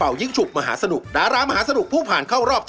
เอาล่ะครับถ้าอย่างงั้นมาดูกันครับ